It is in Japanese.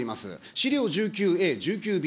資料１９Ａ、１９Ｂ。